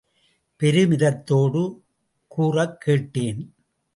பெருமிதத்தோடு கூறக் கேட்டேன்.